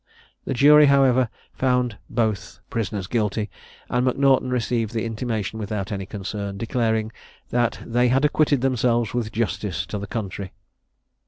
The jury, however, found both prisoners guilty; and M'Naughton received the intimation without any concern, declaring that "they had acquitted themselves with justice to the country."